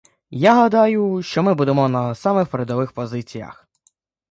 Я гадаю, що ми будемо на самих передових позиціях!